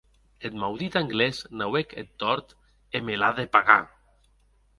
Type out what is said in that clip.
Eth maudit anglés n’auec eth tòrt e me l’a de pagar.